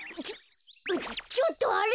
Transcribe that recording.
ちょっとあれ！